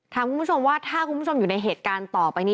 คุณผู้ชมว่าถ้าคุณผู้ชมอยู่ในเหตุการณ์ต่อไปนี้